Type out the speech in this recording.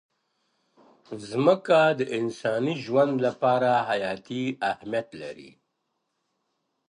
مځکه د انساني ژوند لپاره حیاتي اهمیت لري.